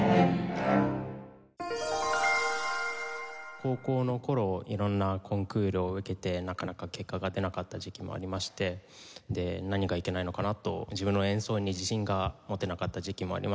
高校の頃色んなコンクールを受けてなかなか結果が出なかった時期もありまして何がいけないのかな？と自分の演奏に自信が持てなかった時期もありますけれども。